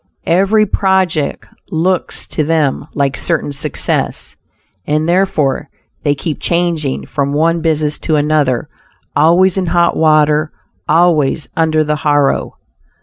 Every project looks to them like certain success, and therefore they keep changing from one business to another, always in hot water, always "under the harrow."